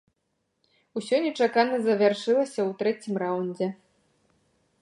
Усё нечакана завяршылася ў трэцім раўндзе.